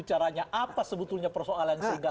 apa sebetulnya persoalan sehingga